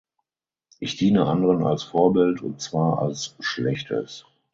Ich diene anderen als Vorbild und zwar als schlechtes.